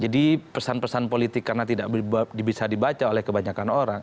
jadi pesan pesan politik karena tidak bisa dibaca oleh kebanyakan orang